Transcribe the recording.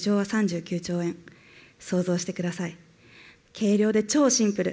軽量で超シンプル。